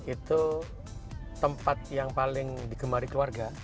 itu tempat yang paling digemari keluarga